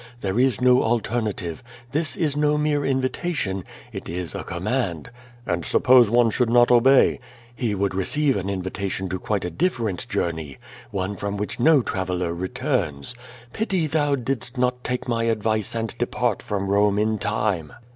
There is no alternative. This is no mere invitation. It is a com mand— " \nd suppose one should not obey?" He would receive an invitation to quite a different jour ney, one from which no traveler returns. Pity thou didst not take my advice and depart from Rome in time.